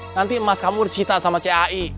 nanti emas kamu disita sama cai